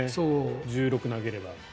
１６日に投げれば。